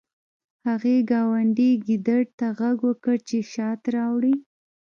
هغې ګاونډي ګیدړ ته غږ وکړ چې شات راوړي